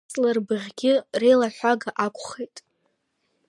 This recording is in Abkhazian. Аҵла рыбӷьы, реилаҳәага акәхеит.